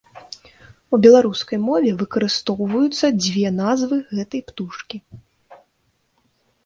У беларускай мове выкарыстоўваюцца дзве назвы гэтай птушкі.